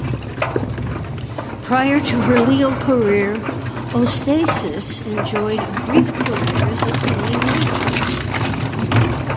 Prior to her legal career, Ossias enjoyed a brief career as a singing waitress.